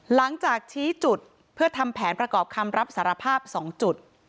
หลังจากชี้จุดเพื่อทำแผนประกอบคำรับสารภาพ๒จุด